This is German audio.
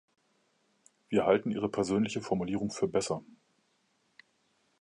Wir halten Ihre persönliche Formulierung für besser.